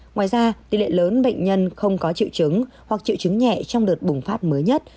ngoài ra tỷ lệ lớn bệnh nhân không có triệu chứng hoặc triệu chứng nhẹ trong đợt bùng phát mới nhất